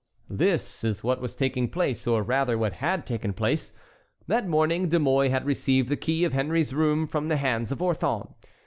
This is what was taking place, or rather what had taken place. That morning De Mouy had received the key of Henry's room from the hands of Orthon.